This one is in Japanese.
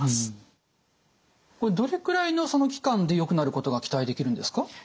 これどれくらいの期間でよくなることが期待できるんですか？